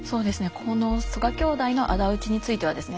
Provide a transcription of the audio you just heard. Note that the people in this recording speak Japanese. この曽我兄弟のあだ討ちについてはですね